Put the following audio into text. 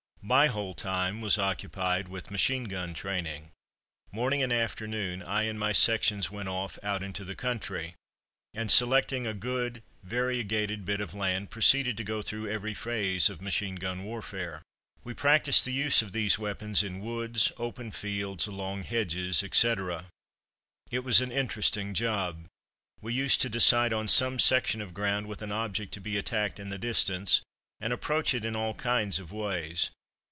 My whole time was occupied with machine gun training. Morning and afternoon I and my sections went off out into the country, and selecting a good variegated bit of land proceeded to go through every phase of machine gun warfare. We practised the use of these weapons in woods, open fields, along hedges, etc. It was an interesting job. We used to decide on some section of ground with an object to be attacked in the distance, and approach it in all kinds of ways.